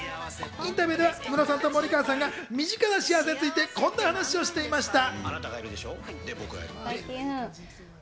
インタビューではムロさんと森川さんが身近な幸せについてこんな話をしていました。